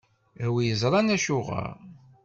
A wi iẓṛan acuɣeṛ.